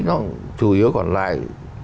nó chủ yếu còn lại